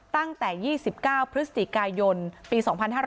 ตั้งแต่๒๙พฤศจิกายนปี๒๕๕๙